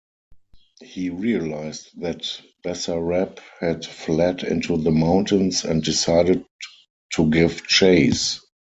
He realised that Basarab had fled into the mountains and decided to give chase.